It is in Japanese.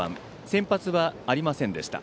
先発はありませんでした。